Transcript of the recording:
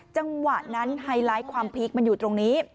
จังหวะนั้นไฮไลท์ความพีคมันอยู่ตรงนี้